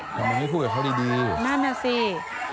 ทำไมไม่พูดกับเขาดีดีนั่นน่ะสิ